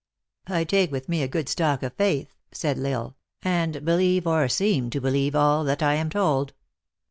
"I take with me a good stock of faith," said L Isle, " and believe, or seem to believe, all that I am told.